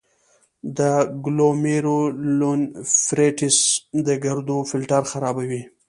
د ګلومیرولونیفریټس د ګردو فلټر خرابوي.